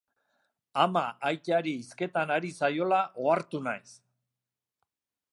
Ama aitari hizketan ari zaiola ohartu naiz.